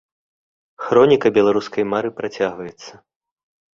Хроніка беларускай мары працягваецца.